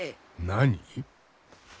何？